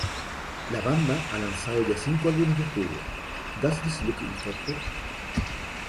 La banda ha lanzado ya cinco álbumes de estudio: "Does This Look Infected?